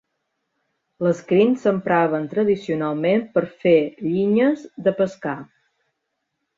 Les crins s'empraren tradicionalment per a fer llinyes de pescar.